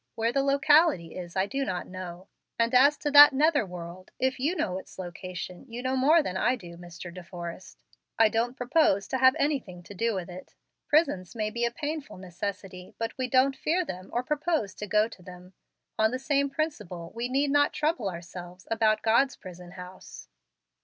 Where the locality is I do not know. As to that nether world, if you know its location you know more than I do, Mr. De Forrest. I don't propose to have anything to do with it. Prisons may be a painful necessity, but we don't fear them or propose to go to them. On the same principle we need not trouble ourselves about God's prison house."